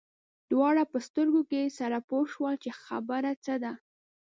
دواړه په سترګو کې سره پوه شول چې خبره څه ده.